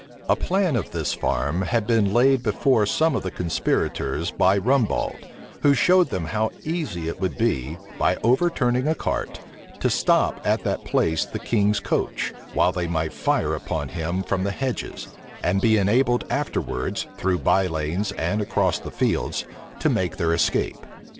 A plan of this farm had been laid before some of the conspirators by Rumbald, who showed them how easy it would be, by overturning a cart, to stop at that place the king's coach; while they might fire upon him from the hedges, and be enabled afterwards, through by lanes and across the fields, to make their escape.